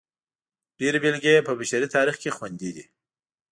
ډېرې بېلګې یې په بشري تاریخ کې خوندي دي.